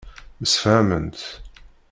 Msefhament.